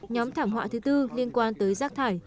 nhóm thảm họa thứ tư liên quan tới rác thải